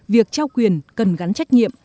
việc trao quyền cần gắn trách nhiệm